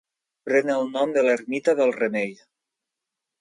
Pren el nom de l'ermita del Remei.